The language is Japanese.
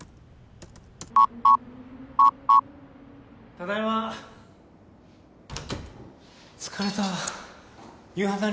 ただいま疲れた夕飯何？